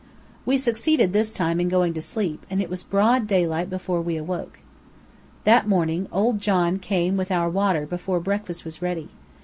We succeeded this time in going to sleep, and it was broad daylight before we awoke. That morning, old John came with our water before breakfast was ready.